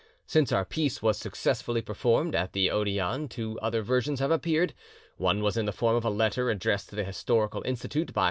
Since our piece was successfully performed at the Odeon two other versions have appeared: one was in the form of a letter addressed to the Historical Institute by M.